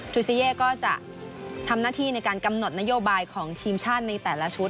ซิเย่ก็จะทำหน้าที่ในการกำหนดนโยบายของทีมชาติในแต่ละชุด